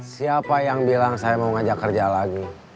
siapa yang bilang saya mau ngajak kerja lagi